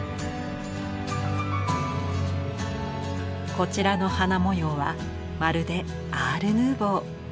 こちらの花模様はまるでアール・ヌーヴォー。